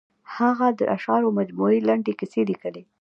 هغه د اشعارو مجموعې، لنډې کیسې لیکلي.